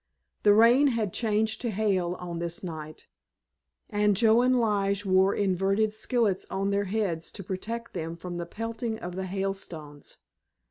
The rain had changed to hail on this night, and Joe and Lige wore inverted skillets on their heads to protect them from the pelting of the hailstones.